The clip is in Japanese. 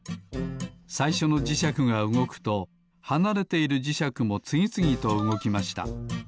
さいしょのじしゃくがうごくとはなれているじしゃくもつぎつぎとうごきました。